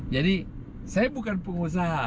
jadi saya bukan pengusaha